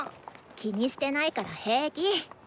気にしてないから平気。